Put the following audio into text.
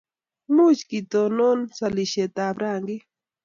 Much ketonon sasishet ab rangik